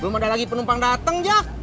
belum ada lagi penumpang dateng jack